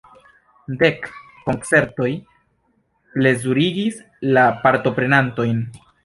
Dek koncertoj plezurigis la partoprenantojn.